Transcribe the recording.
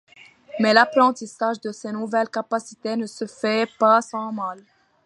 Mais l'apprentissage de ces nouvelles capacités ne se fait pas sans mal.